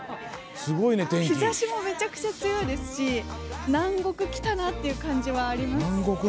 日差しもめちゃくちゃ強いですし南国来たなっていう感じはあります。